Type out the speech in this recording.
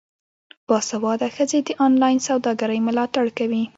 باسواده ښځې د انلاین سوداګرۍ ملاتړ کوي.